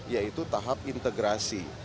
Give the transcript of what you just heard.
yaitu tahap integrasi